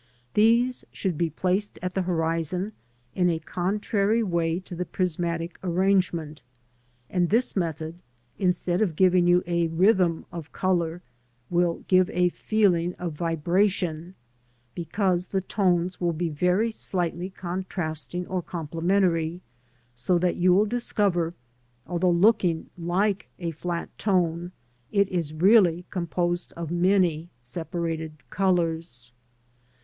These should be placed at the horizon, in a contrary way to the prismatic arrangement, and this method, instead of giving you a rhythm of colour, will give a feeling of vibration, because the tones will be very slightly contrasting or complementary, so that you will discover, although looking like a flat tone, it is really composed of many separated colours.